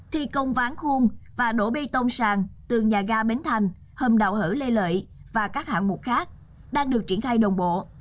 thi công ván khuôn và đổ bê tông sàn tường nhà ga bến thành hầm đào hở lê lợi và các hạng mục khác đang được triển khai đồng bộ